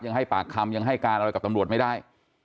ให้ปากคำยังให้การอะไรกับตำรวจไม่ได้